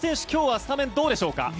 今日はスタメンどうでしょうか。